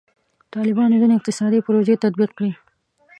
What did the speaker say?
طالبانو ځینې اقتصادي پروژې تطبیق کړي.